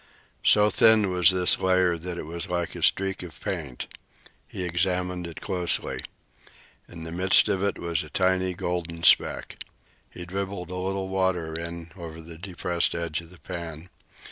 So thin was this layer that it was like a streak of paint. He examined it closely. In the midst of it was a tiny golden speck. He dribbled a little water in over the depressed edge of the pan.